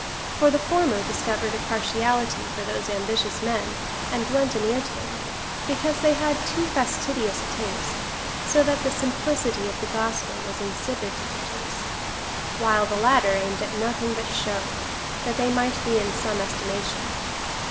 For the former discovered a partiality for those ambitious men, and lent an ear to them/ because they had too fastidious a taste, so that the simplicity of the gospel was insipid to their taste ; while the latter aimed at nothing but show, that they might be in some estimation.